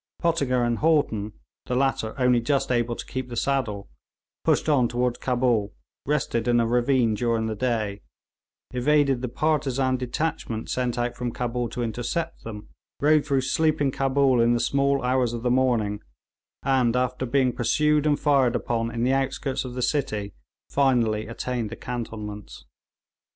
Pottinger and Haughton, the latter only just able to keep the saddle, pushed on toward Cabul, rested in a ravine during the day, evaded the partisan detachment sent out from Cabul to intercept them, rode through sleeping Cabul in the small hours of the morning, and after being pursued and fired upon in the outskirts of the city, finally attained the cantonments.